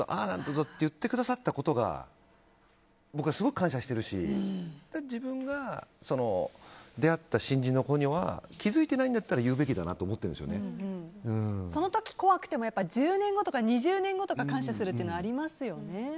なんだぞって言ってくださったことが僕はすごく感謝してるし自分が出会った新人の子には気づいてないんだったら言うべきだなとその時怖くても１０年後とか２０年後に感謝するというのはありますよね。